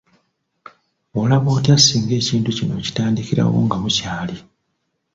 Olaba otya singa ekintu kino okitandikirawo nga bukyali?